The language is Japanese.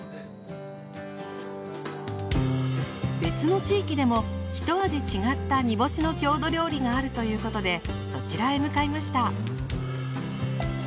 別の地域でもひと味違った煮干しの郷土料理があるということでそちらへ向かいました。